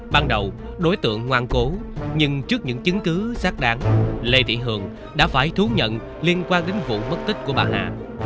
ban đầu đối tượng ngoan cố nhưng trước những chứng cứ xác đáng lê thị hường đã phải thú nhận liên quan đến vụ mất tích của bà hà